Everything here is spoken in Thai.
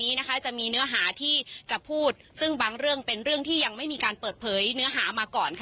วันนี้จะมีเนื้อหาที่จะพูดซึ่งบางเรื่องเป็นเรื่องที่ยังไม่มีการเปิดเผยเนื้อหามาก่อน